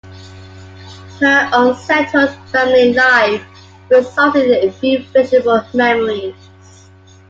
Her unsettled family life resulted in few pleasurable memories.